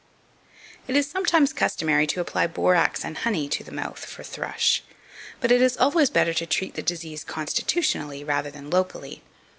2531. It is sometimes customary to apply borax and honey to the mouth for thrush; but it is always better to treat the disease constitutionally rather than locally.